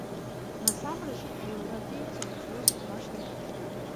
Насамрэч у еўрапейцаў ёсць два шляхі.